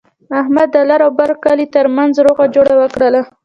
احمد د لر او بر کلي ترمنځ روغه جوړه وکړله.